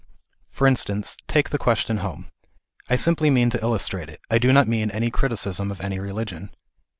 For instance, take the question home. I simply mean to illustrate it ; I do not mean any criticism of any religion.